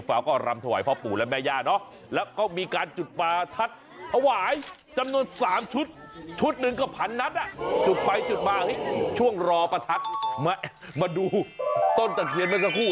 ไฟจุดมาเว้ยช่วงรอประทัดมาดูต้นจะเคลียรมันสักครู่